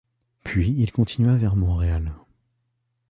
Puis il continua vers Montréal.